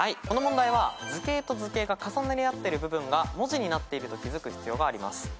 この問題は図形と図形が重なり合ってる部分が文字になっていると気付く必要があります。